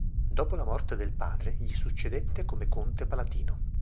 Dopo la morte del padre, gli succedette come conte palatino.